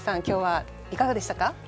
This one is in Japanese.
今日はいかがでしたか？